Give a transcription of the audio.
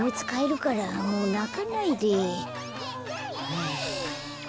はあ。